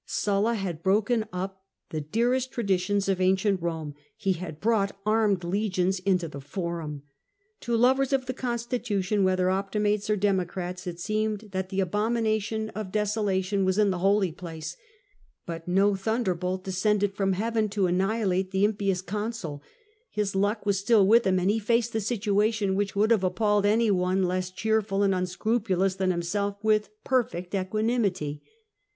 Sulla had broken up the dearest traditions of ancient Rome; he had brought armed legions into the Eorum. To lovers of the constitution, whether Optimates or Democrats, it seemed that the abomination of desola tion was in the Holy Place. But no thunderbolt descended from heaven to annihilate the impious consul. His lucb was still with him, and he faced the situation, which would have appalled any one less cheerful and unscrupu lous than himself, with perfect equanimity.